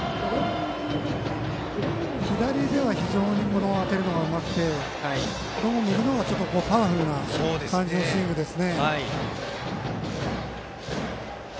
左では非常に当てるのがうまくてどうも右の方がパワーがある感じのスイングです。